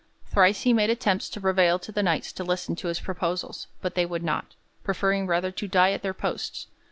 Thrice he made attempts to prevail on the Knights to listen to his proposals, but they would not, preferring rather to die at their posts.